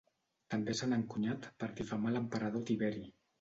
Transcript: També s'han encunyat per difamar a l'emperador Tiberi.